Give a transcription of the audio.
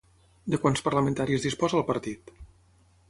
De quants parlamentaris disposa el partit?